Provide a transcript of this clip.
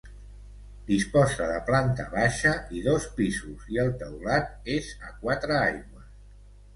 Disposa de planta baixa i dos pisos i el teulat és a quatre aigües.